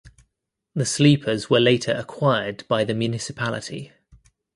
The sleepers were later acquired by the Municipality.